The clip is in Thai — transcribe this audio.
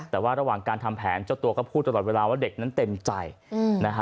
แต่ว่าระหว่างการทำแผนเจ้าตัวก็พูดตลอดเวลาว่าเด็กนั้นเต็มใจนะฮะ